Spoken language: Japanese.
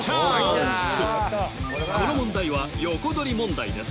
この問題は横取り問題です